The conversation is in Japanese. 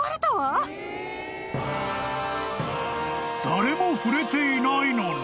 ［誰も触れていないのに］